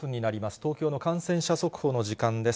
東京の感染者速報の時間です。